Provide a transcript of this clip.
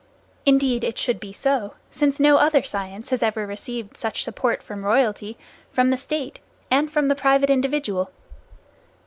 Indeed it should be so, since no other science has ever received such support from royalty, from the state and from the private individual.